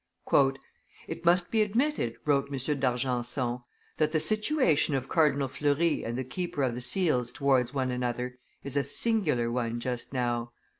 "It must be admitted," wrote M. d'Argenson, "that the situation of Cardinal Fleury and the keeper of the seals towards one another is a singular one just now.